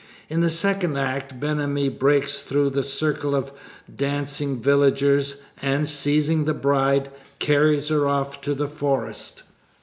In the second act Ben Ami breaks through a circle of dancing villagers and, seizing the bride, carries her off to the forest.